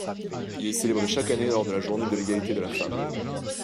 Il est célébré chaque année lors de la Journée de l’égalité de la femme.